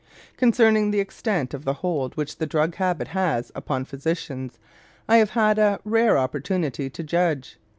Concerning the extent of the hold which the drug habit has upon physicians I have had a rare opportunity to judge.